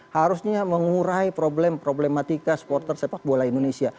harusnya mengurai problematika supporter sepak bola indonesia